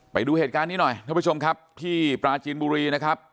ไปดูเหตุการณ์นี้หน่อยท่านผู้ชมครับที่ปราจีนบุรีนะครับ